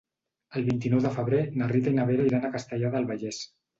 El vint-i-nou de febrer na Rita i na Vera iran a Castellar del Vallès.